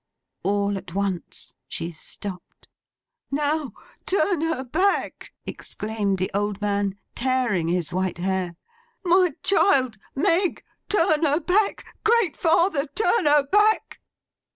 All at once she stopped. 'Now, turn her back!' exclaimed the old man, tearing his white hair. 'My child! Meg! Turn her back! Great Father, turn her back!